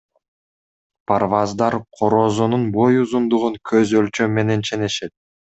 Парваздар корозунун бой узундугун көз өлчөм менен ченешет.